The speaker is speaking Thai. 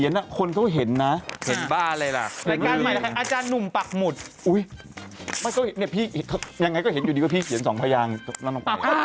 ยังไงก็เห็นอยู่ดีก็พี่เขียนสองพระยางตรงนั้นออกไป